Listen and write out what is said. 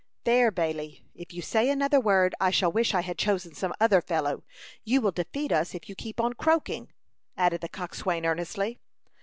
"There, Bailey, if you say another word, I shall wish I had chosen some other fellow. You will defeat us if you keep on croaking," added the coxswain, earnestly.